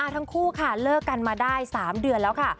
ทั้งคู่ค่ะเลิกกันมาได้๓เดือนแล้วค่ะ